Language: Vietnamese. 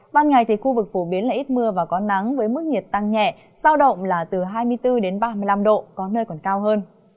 ban ngày thì khu vực phổ biến là ít mưa và có nắng với mức nhiệt tăng nhẹ giao động là từ hai mươi bốn đến ba mươi năm độ có nơi còn cao hơn